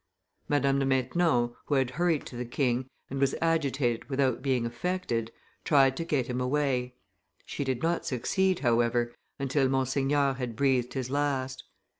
Madame de Maintenon, who had hurried to the king, and was agitated without being affected, tried to get him away; she did not succeed, however, until Monseigneur had breathed his last.